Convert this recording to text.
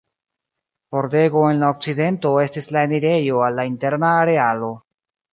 Pordego en la okcidento estis la enirejo al la interna arealo.